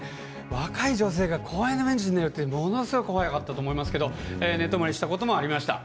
若い女性が公園のベンチで寝るってものすごく怖かったと思いますけど寝泊まりしたこともありました。